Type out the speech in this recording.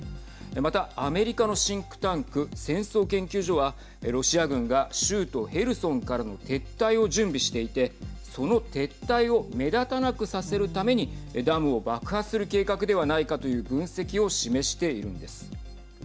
また、アメリカのシンクタンク戦争研究所はロシア軍が州都ヘルソンからの撤退を準備していてその撤退を目立たなくさせるためにダムを爆破する計画ではないかという分析を示しているんです。